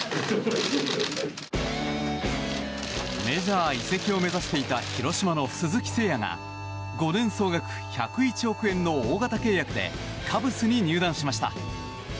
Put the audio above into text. メジャー移籍を目指していた広島の鈴木誠也が５年総額１０１億円の大型契約でカブスに入団しました。